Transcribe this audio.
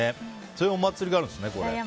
そういうお祭りがあるんですね。